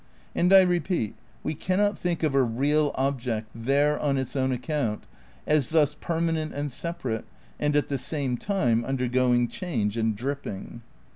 And I repeat, we cannot think of a real object, there on its own account, as thus permanent and separate and at the same time undergoing change and dripping.